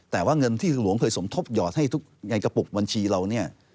แต่ว่าเงินที่หลวงเคยสมทบหยอดให้ทุกในกระปุกบัญชีเราเนี่ย